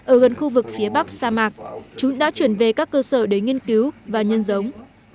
ở gần khu vực phía bắc sa mạc chúng đã chuyển về các cơ sở để nghiên cứu và nhân giống